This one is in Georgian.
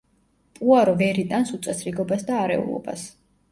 პუარო ვერ იტანს უწესრიგობას და არეულობას.